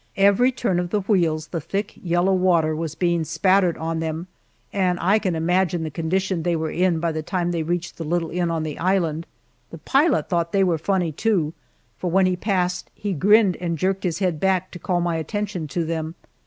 Every turn of the wheels the thick yellow water was being spattered on them, and I can imagine the condition they were in by the time they reached the little inn on the island. The pilot thought they were funny, too, for when he passed he grinned and jerked his head back to call my attention to them.